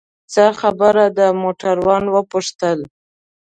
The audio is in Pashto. څه خبره ده؟ موټروان وپوښتل.